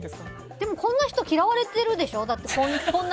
でも、こんな人嫌われてるでしょ。